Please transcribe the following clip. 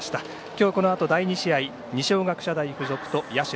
今日、このあと第２試合二松学舎大付属と社。